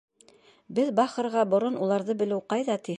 Беҙ бахырға борон уларҙы белеү ҡайҙа ти?